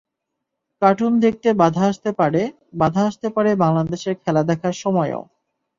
Cartoon দেখতে বাধা আসতে পারে, বাধা আসতে পারে বাংলাদেশের খেলা দেখার সময়ও।